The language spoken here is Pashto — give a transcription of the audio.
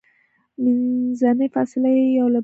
منځنۍ فاصله یې یو له بله ډیریږي.